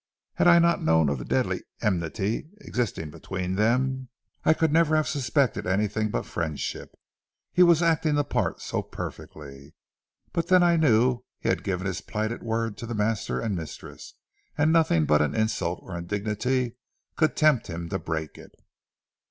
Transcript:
Had I not known of the deadly enmity existing between them, I could never have suspected anything but friendship, he was acting the part so perfectly. But then I knew he had given his plighted word to the master and mistress, and nothing but an insult or indignity could tempt him to break it.